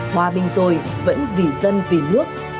hòa bình rồi vẫn vì dân vì nước